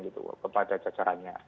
gitu kepada cacarannya